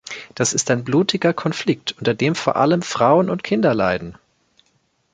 Das ist ein blutiger Konflikt, unter dem vor allem Frauen und Kinder leiden.